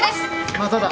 まただ。